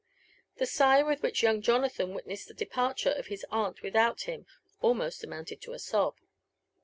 The sigh with which young Jonathan witnessed the departure of his aunt without him almost amounted to a sob.